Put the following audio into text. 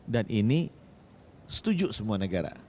dan ini setuju semua negara